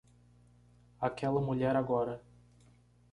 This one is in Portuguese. Aquela mulher agora